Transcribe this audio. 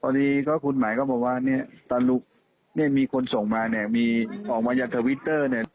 ตอนนี้คุณหมายก็บอกว่าสตารุ๊บมีคนส่งมามีออกมาจากทวิตเตอร์เนี่ย